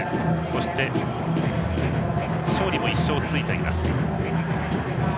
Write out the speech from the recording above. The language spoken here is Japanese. そして勝利も１勝ついています。